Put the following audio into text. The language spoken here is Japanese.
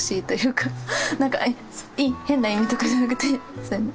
なんか変な意味とかじゃなくて普通に。